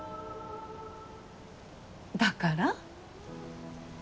だから？